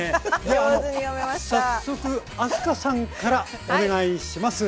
では早速明日香さんからお願いします。